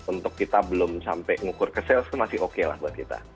untuk kita belum sampai ngukur ke sales itu masih oke lah buat kita